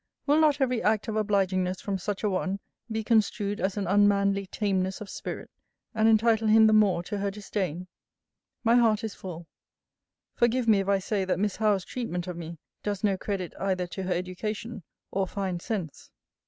Will not every act of obligingness from such a one, be construed as an unmanly tameness of spirit, and entitle him the more to her disdain? My heart is full: Forgive me, if I say, that Miss Howe's treatment of me does no credit either to her education, or fine sense.